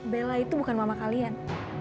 bella itu bukan mama kalian